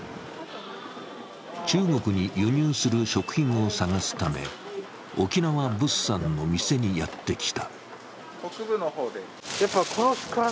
中国に輸入する食品を探すため沖縄物産の店にやってきた。